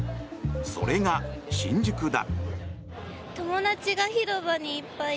それが新宿だ。